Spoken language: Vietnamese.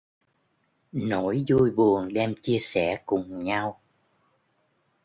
Nỗi vui buồn đem chia sẻ cùng nhau